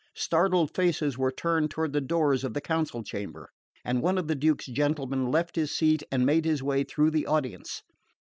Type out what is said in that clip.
Startled faces were turned toward the doors of the council chamber, and one of the Duke's gentlemen left his seat and made his way through the audience.